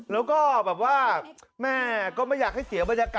แล้วก็แบบว่าแม่ก็ไม่อยากให้เสียบรรยากาศ